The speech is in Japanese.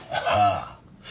ああ。